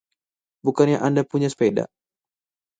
Bukannya Anda punya sepeda?